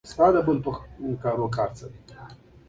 له میلاده مخکې په پنځه ویشت او یو سوه کال کې